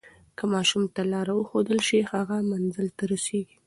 که ماشوم ته لاره وښودل شي، هغه منزل ته رسیږي.